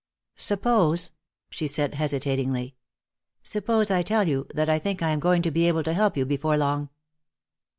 "Suppose," she said, hesitatingly, "suppose I tell you that I think I am going to be able to help you before long?"